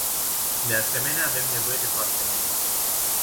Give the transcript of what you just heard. De asemenea, avem nevoie de parteneri.